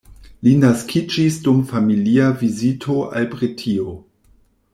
Li naskiĝis dum familia vizito al Britio.